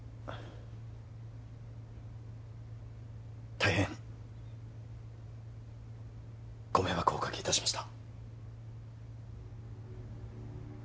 大変ご迷惑をおかけいたしました